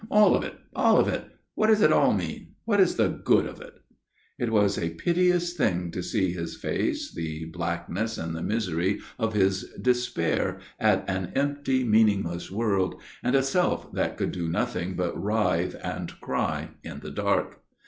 ' All of it all of it what does i it all mean, what is the good of it ?'" It was a piteous thing to see his face, the blackness and the misery of his despair at an empty meaningless world and a self that could do nothing but writhe and cry in the dark.